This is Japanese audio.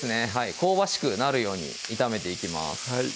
香ばしくなるように炒めていきます